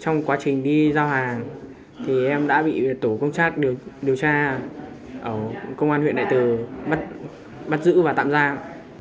trong quá trình đi giao hàng thì em đã bị tổ công chát điều tra ở công an huyện đại từ bắt giữ và tạm giao